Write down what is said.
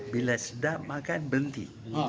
bila sedap makan berhenti